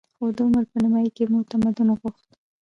خو د عمر په نیمايي کې موږ تمدن غوښت